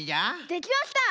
できました！